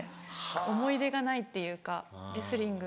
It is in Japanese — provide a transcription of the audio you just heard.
思い出がないっていうかレスリング。